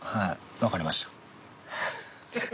わかりました。